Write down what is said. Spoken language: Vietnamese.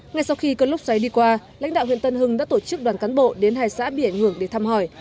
ngay sau khi cơn lốc xoáy đi qua lãnh đạo huyện tân hưng đã tổ chức đoàn cán bộ đến hai xã bị ảnh hưởng để thăm hỏi